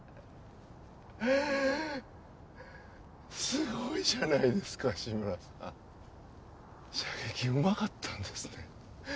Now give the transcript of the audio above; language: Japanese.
すごいじゃないですか志村さん射撃うまかったんですね